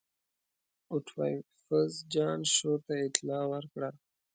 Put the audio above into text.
اوټوایفز جان شور ته اطلاع ورکړه.